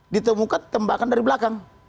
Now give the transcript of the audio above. ditemukan tembakan dari belakang